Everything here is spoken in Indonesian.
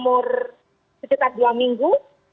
umur sekitar dua minggu